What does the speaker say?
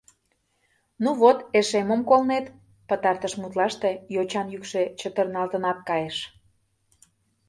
Ну вот, эше мом колнет? — пытартыш мутлаште йочан йӱкшӧ чытырналтынат кайыш.